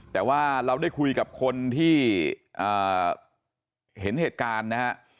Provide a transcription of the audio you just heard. แต่ว่าเราได้คุยกับคนที่เห็นเหตุการณ์นะฮะ